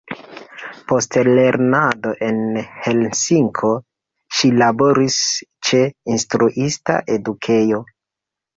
Post lernado en Helsinko ŝi laboris ĉe instruista edukejo.